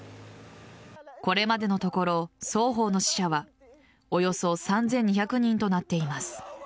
これまでのところ、双方の死者はおよそ３２００人となっています。